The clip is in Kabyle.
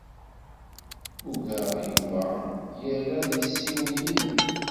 Ugaɣ Yuba ira ad yessiwel yid-m.